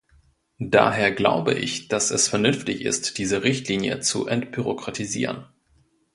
Daher glaube ich, dass es vernünftig ist, diese Richtlinie zu entbürokratisieren.